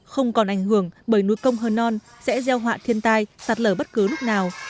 không còn ảnh hưởng bởi núi công hơ non sẽ gieo họa thiên tai sạt lở bất cứ lúc nào